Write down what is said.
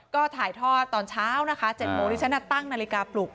ก็ถ่ายทอดตอนเช้านะคะ๗โมงที่ฉันตั้งนาฬิกาปลุก